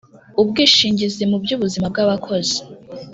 ubwishingizi mu by’ubuzima bw’abakozi: